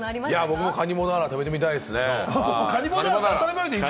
僕もカニボナーラ食べてみたい。